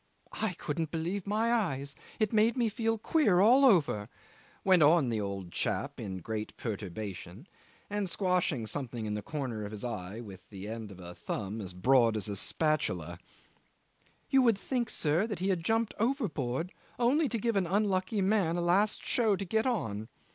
I couldn't believe my eyes. It made me feel queer all over," went on the old chap, in great perturbation, and squashing something in the corner of his eye with the end of a thumb as broad as a spatula. "You would think, sir, he had jumped overboard only to give an unlucky man a last show to get on.